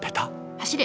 走れ。